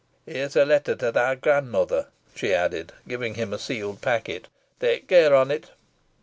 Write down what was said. Here's a letter to thy gran mother," she added, giving him a sealed packet. "Take care on it."